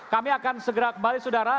kami akan segera kembali saudara